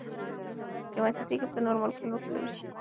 قیمتي تیږي په نورو ملکونو وپلورل شي.